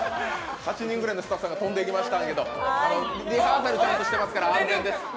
８人くらいのスタッフさんが飛んでいきましたけど、リハーサルちゃんとしてますから安全です。